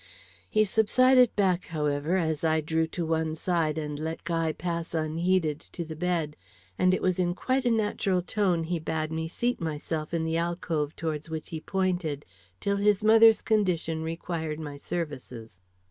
He subsided back, however, as I drew to one side and let Guy pass unheeded to the bed, and it was in quite a natural tone he bade me seat myself in the alcove towards which he pointed, till his mother's condition required my services.